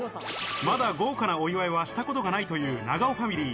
まだ豪華なお祝いはしたことがないという長尾ファミリー。